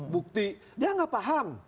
bukti dia tidak paham